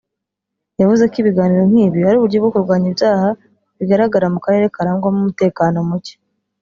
yavuze ko ibiganiro nk’ibi ari uburyo bwo kurwanya ibyaha bigaragara mu karere karangwamo umutekano mucye